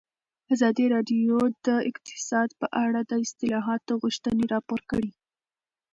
ازادي راډیو د اقتصاد په اړه د اصلاحاتو غوښتنې راپور کړې.